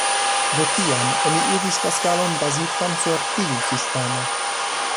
De tiam oni uzis la skalon bazitan sur tiu sistemo.